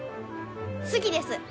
好きです。